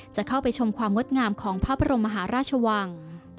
จะเข้าไปชมความงดงามของพระบรมมหาราชวัง